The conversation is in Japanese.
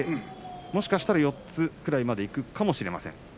もしかしたら４つぐらい空くかもしれません。